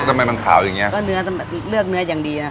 แล้วทำไมมันขาวอย่างเงี้ยก็เนื้อเลือกเนื้อยังดีนะครับ